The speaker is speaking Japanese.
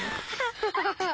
ハハハハ！